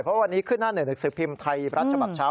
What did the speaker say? เพราะวันนี้ขึ้นหน้าหนึ่งหนังสือพิมพ์ไทยรัฐฉบับเช้า